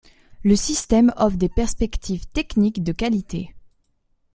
Le système offre des perspectives techniques de qualité.